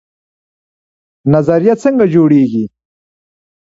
نظریه څنګه جوړیږي؟